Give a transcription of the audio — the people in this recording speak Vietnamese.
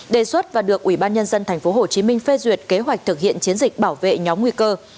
đề xuất và được ubnd tp hcm phê duyệt kế hoạch thực hiện chiến dịch bảo vệ nhóm nguy cơ